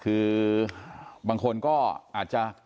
ก็คือเป็นการสร้างภูมิต้านทานหมู่ทั่วโลกด้วยค่ะ